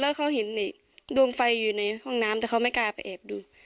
แล้วเขาเห็นดวงไฟอยู่ในห้องน้ำแต่เขาไม่กล้าไปแอบดู